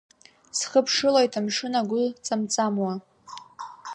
Схыԥшылоит амшын агәы ҵамҵамуа.